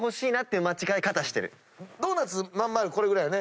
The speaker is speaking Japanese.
ドーナツ真ん丸これぐらいよね。